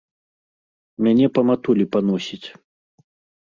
Мяне па матулі паносіць.